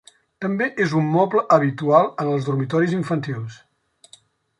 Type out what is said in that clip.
També és un moble habitual en els dormitoris infantils.